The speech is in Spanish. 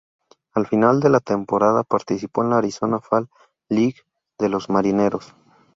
Al final de la temporada, participó en la Arizona Fall League de los Marineros.